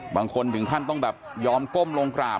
บางคนถึงขั้นต้องแบบยอมก้มลงกราบ